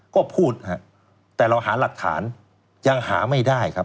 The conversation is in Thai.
ก็พูดฮะแต่เราหาหลักฐานยังหาไม่ได้ครับ